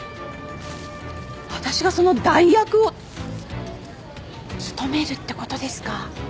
私がその代役を務めるってことですか？